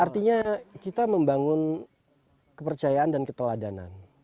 artinya kita membangun kepercayaan dan keteladanan